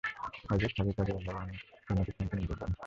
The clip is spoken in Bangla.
হযরত খালিদ রাযিয়াল্লাহু আনহু সৈন্যদের থামতে নির্দেশ দেন।